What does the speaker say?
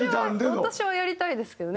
私はやりたいですけどね。